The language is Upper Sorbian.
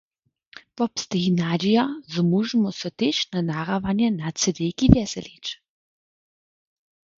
Wobsteji nadźija, zo móžemy so tež na nahrawanje na cejdejku wjeselić.